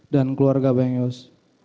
dan keluarga bang yus